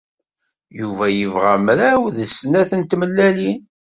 Yuba yebɣa mraw d snat n tmellalin.